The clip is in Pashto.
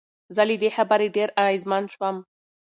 زه له دې خبرې ډېر اغېزمن شوم.